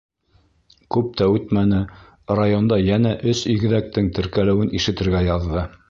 Күп тә үтмәне, районда йәнә өс игеҙәктең теркәлеүен ишетергә яҙҙы.